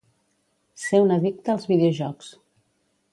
Ser un addicte als videojocs